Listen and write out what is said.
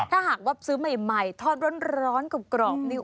ถ้าหากว่าซื้อใหม่ทอดร้อนกรอบนี่